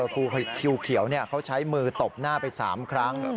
คิวเขียวเขาใช้มือตบหน้าไป๓ครั้ง